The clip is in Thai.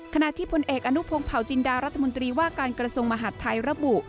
ขณะที่พลเอกอนุพงศ์เผาจินดารัฐมนตรีว่าการกระทรวงมหาดไทยระบุ